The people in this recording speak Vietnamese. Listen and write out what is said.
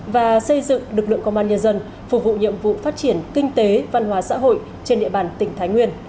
và xây dựng lực lượng công an nhân dân phục vụ nhiệm vụ phát triển kinh tế văn hóa xã hội trên địa bàn tỉnh thái nguyên